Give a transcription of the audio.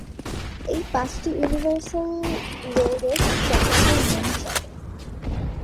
এই পাঁচটি universal rules চক্রাকার নিয়মে চলে।